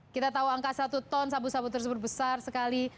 kita tahu angka satu ton sabu sabu tersebut besar sekali